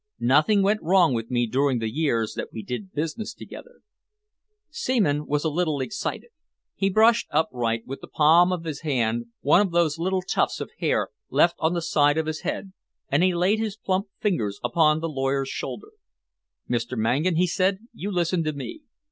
Nothing went wrong with me during the years that we did business together." Seaman was a little excited. He brushed upright with the palm of his hand one of those little tufts of hair left on the side of his head, and he laid his plump fingers upon the lawyer's shoulder. "Mr. Mangan," he said, "you listen to me.